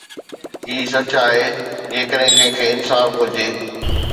هي سچ آهي جيڪڏهن ڪنهن کي انصاف گهرجي